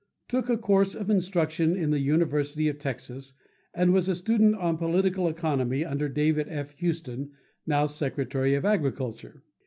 Took a course of instruction in the University of Texas and was a student on political economy under David F. Houston now Secretary of Agriculture.